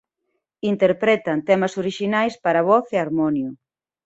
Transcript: Interpretan temas orixinais para voz e harmonio.